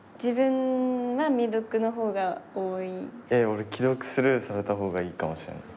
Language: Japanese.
俺既読スルーされた方がいいかもしれない。